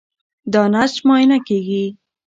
دا نسج معاینه کېږي.